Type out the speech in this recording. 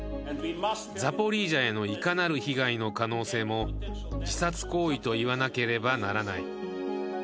ザポリージャへのいかなる被害の可能性も、自殺行為と言わなければならない。